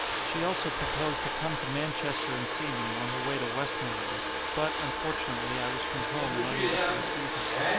She also proposed to come to Manchester and see me, on her way to Westmoreland. But, unfortunately, I was from home, and unable to receive her.